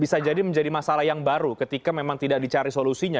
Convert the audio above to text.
bisa jadi menjadi masalah yang baru ketika memang tidak dicari solusinya